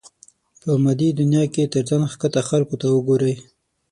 په مادي دنيا کې تر ځان ښکته خلکو ته وګورئ.